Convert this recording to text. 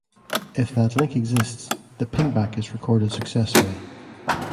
If that link exists, the pingback is recorded successfully.